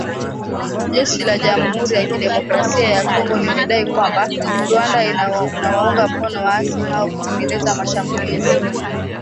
Jeshi la Jamhuri ya Kidemokrasia ya Kongo limedai kwamba, Rwanda inawaunga mkono waasi hao kutekeleza mashambulizi